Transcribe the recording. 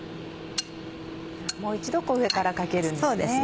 もう一度上からかけるんですね。